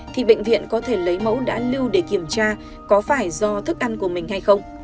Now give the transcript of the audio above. thì bệnh viện có thể lấy mẫu đã lưu để kiểm tra có phải do thức ăn của mình hay không